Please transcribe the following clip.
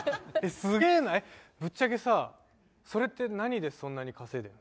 すげえなぶっちゃけさそれって何でそんなに稼いでんの？